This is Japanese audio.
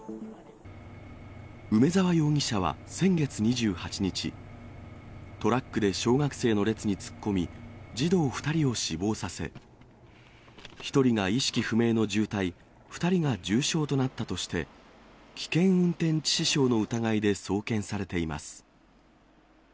梅沢容疑者は先月２８日、トラックで小学生の列に突っ込み、児童２人を死亡させ、１人が意識不明の重体、２人が重傷となったとして、危険運転致死傷の疑いで送検されています。